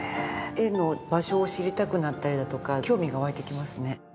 絵の場所を知りたくなったりだとか興味が湧いてきますね。